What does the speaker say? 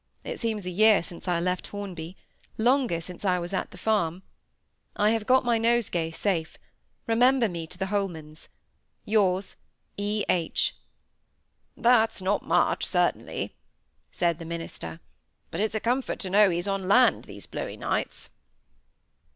It seems a year since I left Hornby. Longer since I was at the farm. I have got my nosegay safe. Remember me to the Holmans.—Yours, E. H.'" "That's not much, certainly," said the minister. "But it's a comfort to know he's on land these blowy nights."